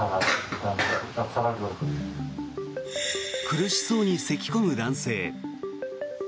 苦しそうにせき込む男性。